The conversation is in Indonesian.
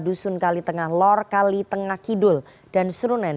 dusun kali tengah lor kali tengah kidul dan serunen